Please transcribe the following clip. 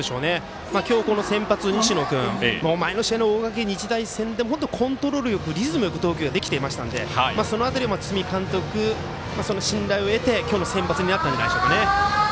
今日、先発の西野君前の試合の大垣日大戦でコントロールよくリズムよく投球ができていましたのでその辺りを堤監督の信頼を得て今日の先発になったんじゃないでしょうか。